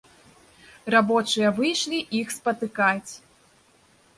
Рабочыя выйшлі іх спатыкаць.